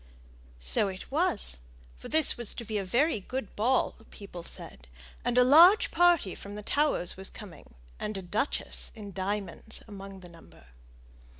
So it was, for this was to be a very good ball, people said; and a large party from the Towers was coming, and a duchess in diamonds among the number.